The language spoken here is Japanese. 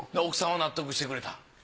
奥さんは納得してくれた？